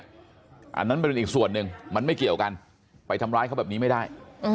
อันนั้นเป็นอีกส่วนหนึ่งมันไม่เกี่ยวกันไปทำร้ายเขาแบบนี้ไม่ได้